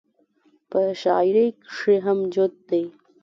پۀ شاعرۍ کښې هم جوت دے -